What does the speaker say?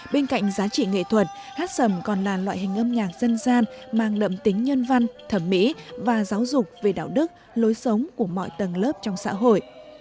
bên cạnh giá trị nghệ thuật hát sầm còn là loại hình âm nhạc dân gian mang đậm tính nhân văn thẩm mỹ và giáo dục về đạo đức lối sống của mọi tầng lớp trong xã hội